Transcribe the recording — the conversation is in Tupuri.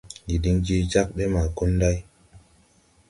Ndi din je jagbe ma Gunday.